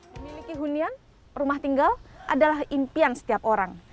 memiliki hunian rumah tinggal adalah impian setiap orang